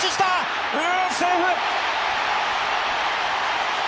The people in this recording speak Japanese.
セーフ。